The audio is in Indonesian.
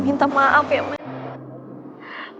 gue minta maaf ya men